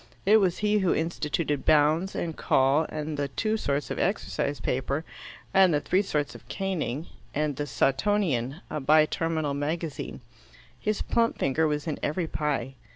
It was he who instituted Bounds, and call, and the two sorts of exercise paper, and the three sorts of caning, and "The Sawtonian," a bi terminal magazine. His plump finger was in every pie.